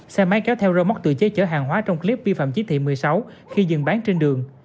xe máy kéo theo rơ móc tự chế chở hàng hóa trong clip vi phạm chí thị một mươi sáu khi dừng bán trên đường